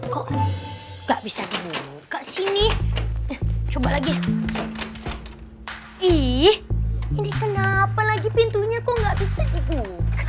kok nggak bisa dibuka sini coba lagi eh ini kenapa lagi pintunya kok nggak bisa dibuka